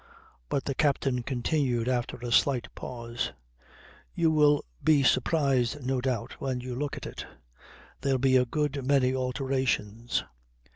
But the captain continued after a slight pause, "You will be surprised, no doubt, when you look at it. There'll be a good many alterations.